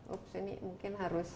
ups ini mungkin harus